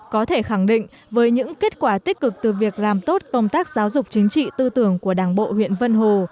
có thể khẳng định với những kết quả tích cực từ việc làm tốt công tác giáo dục chính trị tư tưởng của đảng bộ huyện vân hồ